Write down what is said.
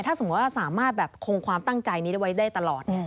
ถ้าสมมุติว่าสามารถแบบคงความตั้งใจนี้ได้ไว้ได้ตลอด